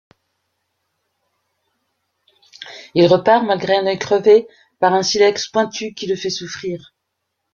Il repart malgré un œil crevé par un silex pointu qui le fait souffrir.